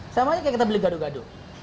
sama aja kayak kita beli gado gado